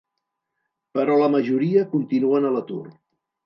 Però la majoria continuen a l’atur.